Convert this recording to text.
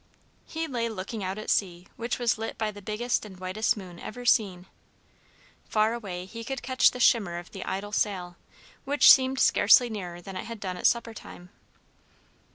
He lay looking out at sea, which was lit by the biggest and whitest moon ever seen. Far away he could catch the shimmer of the idle sail, which seemed scarcely nearer than it had done at supper time.